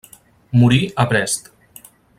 Morí a Brest.